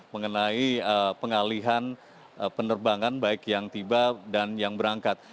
mengenai pengalihan penerbangan baik yang tiba dan yang berangkat